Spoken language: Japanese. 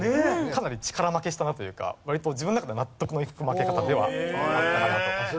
かなり力負けしたなというか割と自分の中では納得のいく負け方ではあったかなと思います。